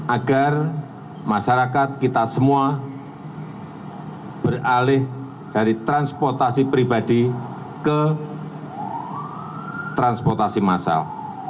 agar masyarakat kita semua beralih dari transportasi pribadi ke transportasi massal